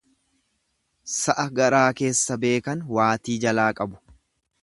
Sa'a garaa keessa beekan waatii jalaa qabu.